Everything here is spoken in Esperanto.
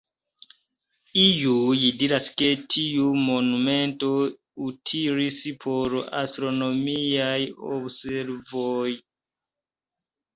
Iuj diras ke tiu monumento utilis por astronomiaj observoj.